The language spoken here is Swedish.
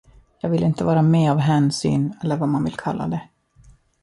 Jag ville inte vara med av hänsyn eller vad man vill kalla det.